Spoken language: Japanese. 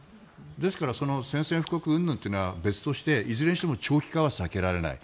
ですから宣戦布告うんぬんは別にしていずれにしても長期化は避けられない。